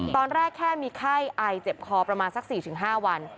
ตอนแรกแค่มีไข้ไอเจ็บคอประมาณสัก๔๕วัน